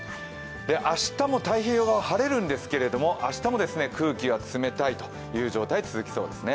明日も太平洋側、晴れるんですけど明日も空気は冷たいという状態が続きそうですね。